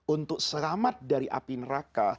untuk selamat dari api neraka